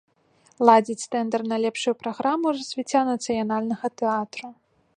Ладзіць тэндар на лепшую праграму развіцця нацыянальнага тэатру.